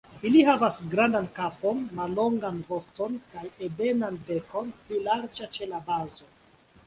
Ili havas grandan kapon, mallongan voston kaj ebenan bekon, pli larĝa ĉe la bazo.